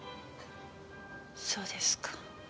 そうですか。